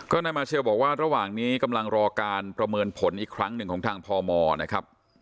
นายมาเชลบอกว่าระหว่างนี้กำลังรอการประเมินผลอีกครั้งหนึ่งของทางพมนะครับ